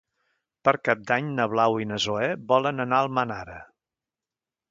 Per Cap d'Any na Blau i na Zoè volen anar a Almenara.